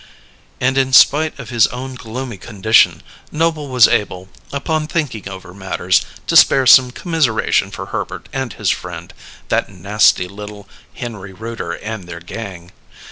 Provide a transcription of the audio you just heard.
And in spite of his own gloomy condition, Noble was able, upon thinking over matters, to spare some commiseration for Herbert and his friend, that nasty little Henry Rooter and their gang.